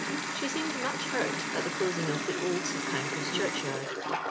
She seemed mach hurt at Qie closing of tlie Old St. Poncras churehyard.